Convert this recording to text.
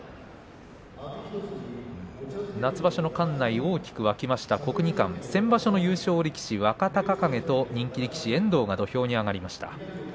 夏場所の館内、大きく沸きました国技館、先場所の優勝力士若隆景と人気力士遠藤が土俵に上がりました。